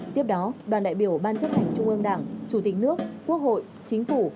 tiếp đó đoàn đại biểu ban chấp hành trung ương đảng chủ tịch nước quốc hội chính phủ